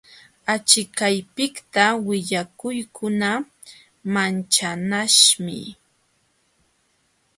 Achikaypiqta willakuykuna manchanaśhmi.